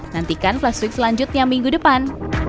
nantikan flash week selanjutnya minggu depan